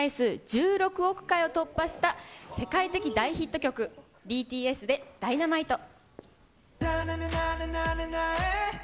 １６億回を突破した世界的大ヒット曲、ＢＴＳでＤｙｎａｍｉｔｅ。